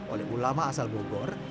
oleh ulama asal bogor